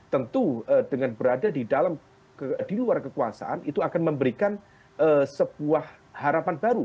tentu dengan berada di dalam kekuasaan itu akan memberikan sebuah harapan baru